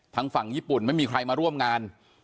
ทางฝั่งญี่ปุ่นไม่มีใครมาร่วมงาน